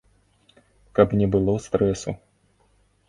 Каб не было стрэсу!